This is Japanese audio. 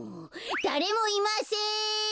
だれもいません！